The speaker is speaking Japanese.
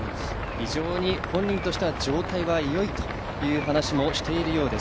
非常に本人としては状態が良いという話もしているようです。